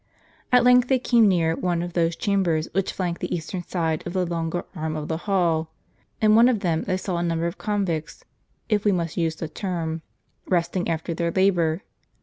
At length they came near one of those chambers which flanked the eastern side of the longer arm of the hall. In one of them they saw a number of convicts (if we must use the term) resting after their labor.